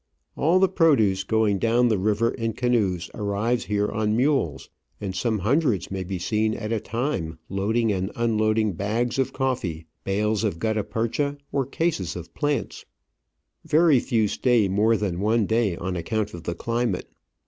All the produce going down the river in canoes arrives here on mules, and some hundreds may be seen at a time Digitized by VjOOQIC I04 Travels and Adventures loading and unloading bags of coffee, bales of gutta percha, or cases of plants. Very few stay more than one day, on account of the climate.